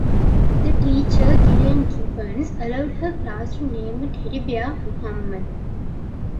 The teacher, Gillian Gibbons, allowed her class to name a teddy bear Muhammad.